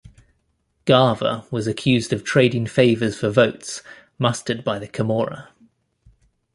Gava was accused of trading favors for votes mustered by the Camorra.